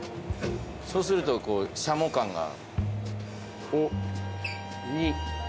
そうするとこうしゃも感が。